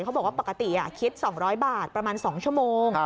ปกติคิด๒๐๐บาทประมาณ๒ชั่วโมง